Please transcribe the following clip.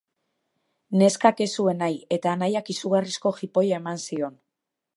Neskak ez zuen nahi eta anaiak izugarrizko jipoia eman zion.